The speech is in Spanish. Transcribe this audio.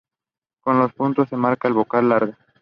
Con los dos puntos se marca la vocal larga.